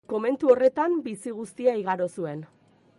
Komentu horretan bizi guztia igaro zuen.